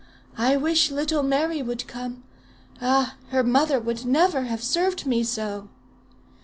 I wish little Mary would come. Ah! her mother would never have served me so.'